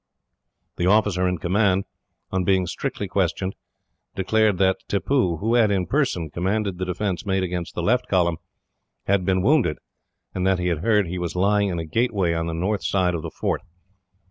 The officer in command, on being strictly questioned, declared that Tippoo, who had in person commanded the defence made against the left column, had been wounded, and that he had heard he was lying in a gateway on the north side of the fort.